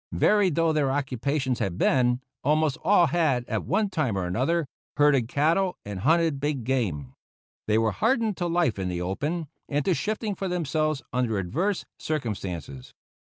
Varied though their occupations had been, almost all had, at one time or another, herded cattle and hunted big game. They were hardened to life in the open, and to shifting for themselves under adverse circumstances.